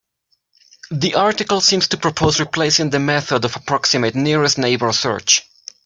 The article seems to propose replacing the method of approximate nearest neighbor search.